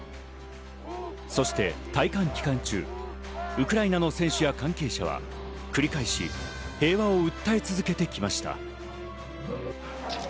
そして大会期間中、ウクライナの選手や関係者は繰り返し平和を訴え続けてきました。